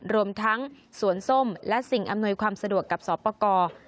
รวมทั้งสวนส้มและสิ่งอำนวยความสะดวกกับสอบประกอบ